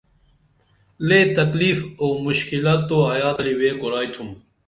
لے تکلیف اُو مُشکِلہ تو ایا تلی وے کُرائی تُھم